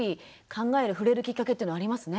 考える触れるきっかけっていうのはありますね。